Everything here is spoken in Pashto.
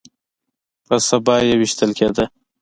پر سبا يې ويشتل کېده.